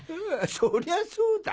そりゃそうだ！